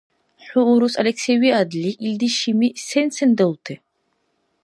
ХӀу урус Алексей виадли, илди шими сен-сен далути?.